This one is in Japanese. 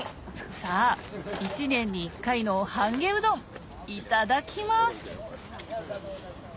さぁ一年に１回の半夏うどんいただきます！